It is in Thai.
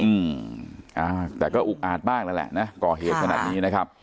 อืมอ่าแต่ก็อุกอาจบ้างแล้วแหละนะก่อเหตุขนาดนี้นะครับ